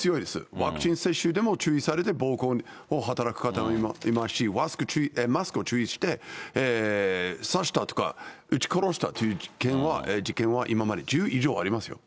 ワクチン接種でも注意されて、暴行を働く方もいますし、マスクを注意して、刺したとか、撃ち殺したという事件は今まで１０以上ありますよ。